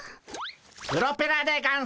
プロペラでゴンス。